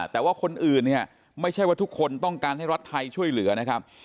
แต่ว่าคนอื่นเนี่ยไม่ใช่ว่าทุกคนต้องการให้รัฐไทยช่วยเหลือนะครับ